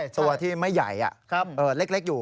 ตัวที่ไม่ใหญ่เล็กอยู่